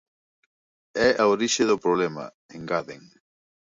"É a orixe do problema", engaden.